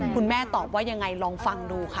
คุณแม่ตอบว่ายังไงลองฟังดูค่ะ